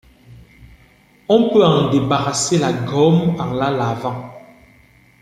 On peut en débarrasser la gomme en la lavant.